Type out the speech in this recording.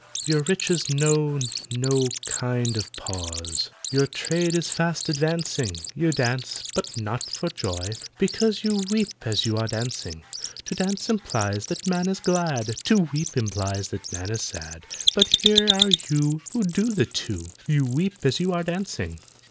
"Your riches know no kind of pause, Your trade is fast advancing; You dance—but not for joy, because You weep as you are dancing. To dance implies that man is glad, To weep implies that man is sad; But here are you Who do the two— You weep as you are dancing!"